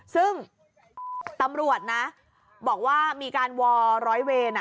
ซึ่งตำรวจนะบอกว่ามีการวอร้อยเวร